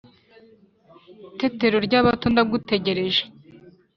tetero ry' abato ndagutegereje